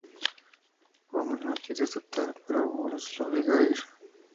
Homer no quiere aceptar, pero Burns lo obliga a ir.